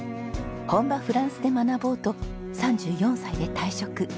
本場フランスで学ぼうと３４歳で退職。